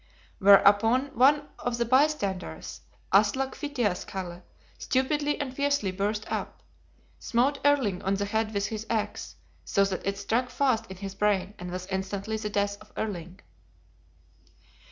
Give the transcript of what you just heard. Whereupon one of the bystanders, Aslak Fitiaskalle, stupidly and fiercely burst up; smote Erling on the head with his axe; so that it struck fast in his brain and was instantly the death of Erling.